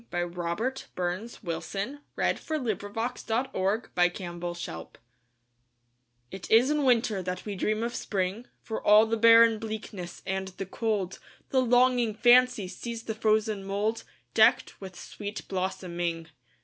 By Robert BurnsWilson 1047 It Is in Winter That We Dream of Spring IT is in Winter that we dream of Spring; For all the barren bleakness and the cold, The longing fancy sees the frozen mouldDecked with sweet blossoming.